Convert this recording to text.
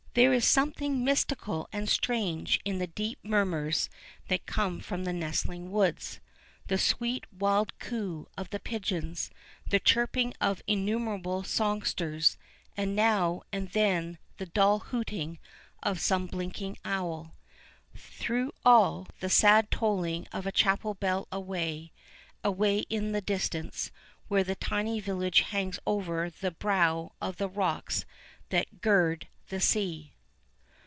There is something mystical and strange in the deep murmurs that come from the nestling woods, the sweet wild coo of the pigeons, the chirping of innumerable songsters, and now and then the dull hooting of some blinking owl. Through all, the sad tolling of a chapel bell away, away in the distance, where the tiny village hangs over the brow of the rocks that gird the sea.